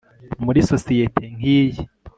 Muri sosiyete nkiyi